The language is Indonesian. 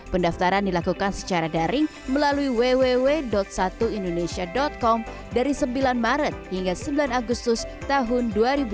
pendaftaran dilakukan secara daring melalui www satuindonesia com dari sembilan maret hingga sembilan agustus tahun dua ribu dua puluh